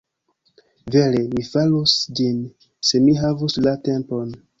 Vere mi farus ĝin, se mi havus la tempon.